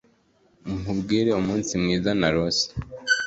Nkubwire umunsi mwiza narose